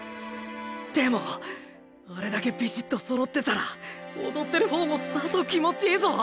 でもあれだけビシッとそろってたら踊ってる方もさぞ気持ちいいぞ。